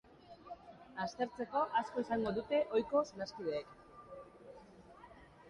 Aztertzeko asko izango dute ohiko solaskideek.